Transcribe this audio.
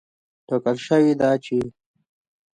ټاکل شوې ده چې